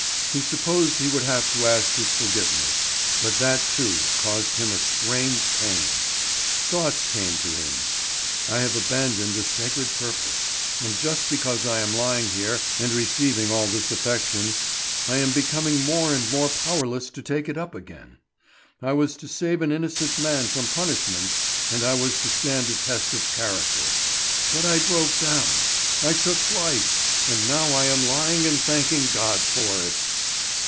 He supposed he would have to ask his forgiveness; but that, too, caused him a strange pain. Thoughts came to him. "I have abandoned a sacred purpose; and just because I am lying here and receiving all this affection, I am becoming more and more powerless to take it up again. I was to save an innocent man from punishment, and I was to stand a test of character. But I broke down. I took flight! And now I am lying and thanking God for it!"